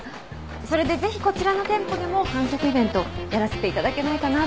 それでぜひこちらの店舗でも販促イベントやらせていただけないかなと。